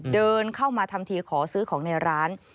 เดินเข้ามาทำทีขอซื้อของในร้าน